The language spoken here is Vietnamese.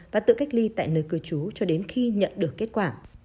và tự cách ly tại nơi cư trú cho đến khi nhận được kết quả